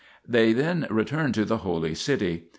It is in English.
They then returned to the Holy City.